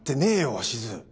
鷲津。